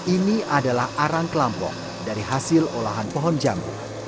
ini adalah arang kelampok dari hasil olahan pohon jambu